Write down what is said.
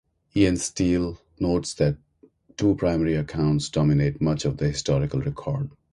Ian Steele notes that two primary accounts dominate much of the historical record.